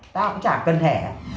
tao cũng chả cần thẻ